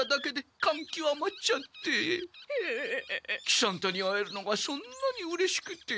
喜三太に会えるのがそんなにうれしくて。